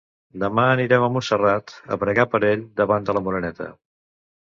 Demà anirem a Montserrat, a pregar per ell davant de la Moreneta.